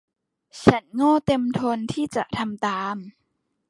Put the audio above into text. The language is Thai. ฉันโง่เต็มทนที่จะทำตาม